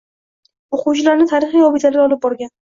O‘quvchilarini tarixiy obidalariga olib brogan.